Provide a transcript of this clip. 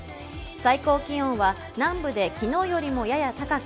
最高気温は南部で昨日よりもやや高く、